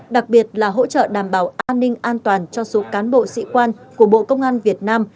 đặc biệt là hỗ trợ đảm bảo an ninh an toàn cho số cán bộ sĩ quan của bộ công an việt nam